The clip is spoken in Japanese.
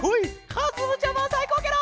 かずむちゃまさいこうケロ！